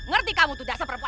ngerti kamu itu dasar perempuan